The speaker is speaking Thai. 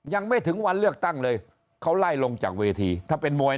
ยังไม่ถึงวันเลือกตั้งเลยเขาไล่ลงจากเวทีถ้าเป็นมวย